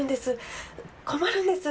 困るんです。